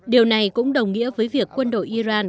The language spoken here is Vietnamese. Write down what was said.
điều này cũng đồng nghĩa với việc quân đội iran